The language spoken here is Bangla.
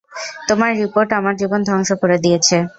তোমার রিপোর্ট আমার জীবন ধ্বংস করে দিয়েছে।